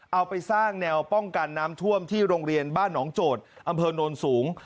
เอาไปสร้างแนวป้องกันน้ำท่วมที่โรงเรียนบ้านหนองโจทย์อำเภอโนนสูง